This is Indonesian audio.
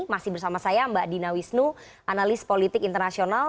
masih bersama saya mbak dina wisnu analis politik internasional